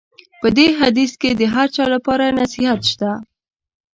په دې حدیث کې د هر چا لپاره نصیحت شته.